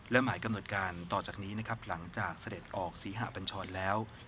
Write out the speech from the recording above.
และหมายกำหนดการต่อจากนี้นะครับหลังจากเสด็จออกศรีหะปัญชรแล้ว